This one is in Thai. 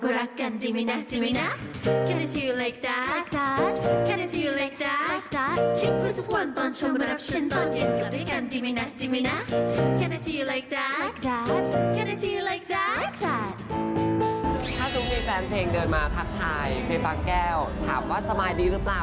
ถ้ามีแฟนเพลงเดินมาทักทายไปบางแก้วถามว่าสบายดีหรือเปล่า